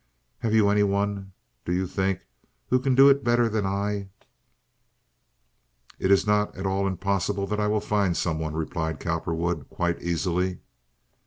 Have you any one, do you think, who can do it better than I?" "It is not at all impossible that I will find some one," replied Cowperwood, quite easily.